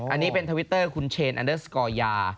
อันนี้เป็นทวิตเตอร์คุณเชนอันเดอร์สกอร์ยา